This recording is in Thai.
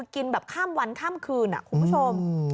กินแบบข้ามวันข้ามคืนคุณผู้ชม